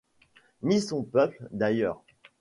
Ni son peuple, d’ailleurs.